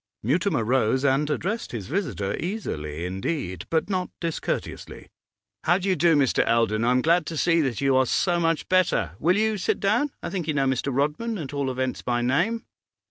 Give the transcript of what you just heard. Mutimer rose and addressed his visitor easily indeed, but not discourteously. 'How do you do, Mr. Eldon? I'm glad to see that you are so much better. Will you sit down? I think you know Mr. Rodman, at all events by name?